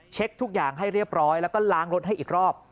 ทุกอย่างให้เรียบร้อยแล้วก็ล้างรถให้อีกรอบ